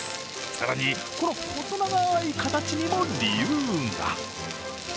更にこの細長い形にも、理由が。